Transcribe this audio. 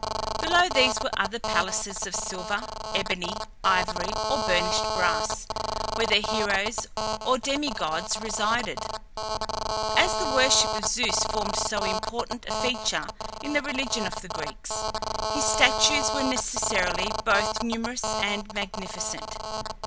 Below these were other palaces of silver, ebony, ivory, or burnished brass, where the Heroes, or Demi gods, resided. As the worship of Zeus formed so important a feature in the religion of the Greeks, his statues were necessarily both numerous and magnificent.